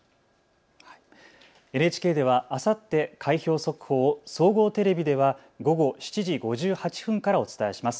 ＮＨＫではあさって開票速報を総合テレビでは午後７時５８分からお伝えします。